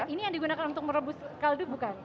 ini yang digunakan untuk merebus kaldu bukan